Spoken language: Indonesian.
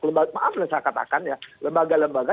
lembaga maaf saya katakan ya lembaga lembaga